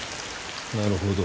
なるほど。